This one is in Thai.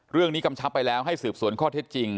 เรื่องนี้กำชับไปแล้วให้สืบสวนข้อเท็จจริง